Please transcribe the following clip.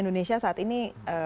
indonesia saat ini